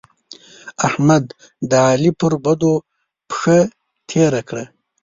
احمد؛ د علي پر بدو پښه تېره کړه.